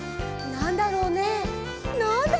なんだろうね？